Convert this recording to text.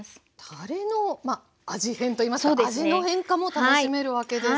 たれのまあ味変といいますか味の変化も楽しめるわけですか。